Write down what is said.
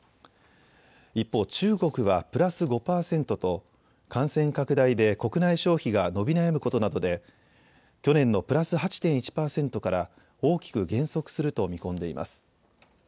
一方、中国はプラス５％と感染拡大で国内消費が伸び悩むことなどで去年のプラス８．１％から大きく減速すると見込んでいます。